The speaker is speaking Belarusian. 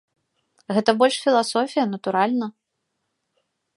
Гэта больш філасофія, натуральна.